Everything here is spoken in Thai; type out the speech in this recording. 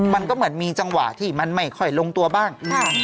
มันก็เหมาะมีจังหวะที่ไม่ลงตัวบ้าง